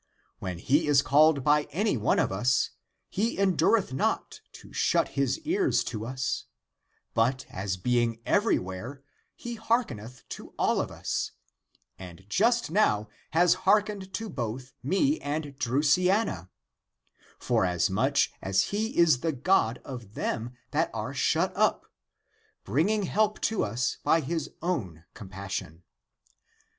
When he is called by any one of us he endureth not to shut his ears to us, but as being everywhere he hearkeneth to all of us, and just now (has hearkened) to both me and Dru siana — forasmuch as he is the God of them that are shut up — bringing help to us by his own compas sion.